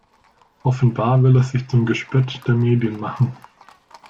Offenbar will er sich zum Gespött der Medien machen.